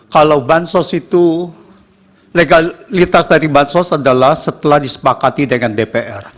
kalau bansos itu legalitas dari bansos adalah setelah disepakati dengan dpr